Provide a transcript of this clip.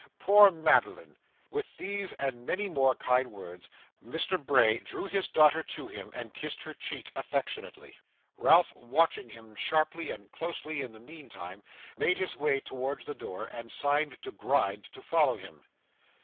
Poor Madeline!' With these and many more kind words, Mr. Bray drew his daughter to him and kissed her cheek affectionately. Ralph, watching him sharply and closely in the meantime, made his way towards the door, and signed to Gride to follow him.